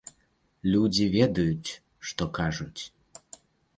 Людзі ведаюць, што кажуць.